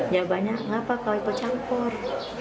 jawabannya kenapa kalau ibu campur